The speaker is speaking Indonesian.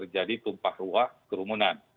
jadi tumpah ruah kerumunan